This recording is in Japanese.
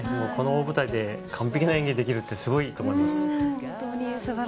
この大舞台で完璧な演技ができるとはすごいです。